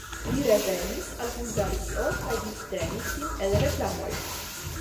Li revenis al Hungario kaj vivtenis sin el reklamoj.